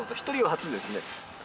１人は初ですね。